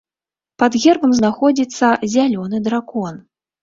Пад гербам знаходзіцца зялёны дракон.